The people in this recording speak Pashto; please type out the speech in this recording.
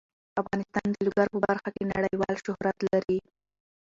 افغانستان د لوگر په برخه کې نړیوال شهرت لري.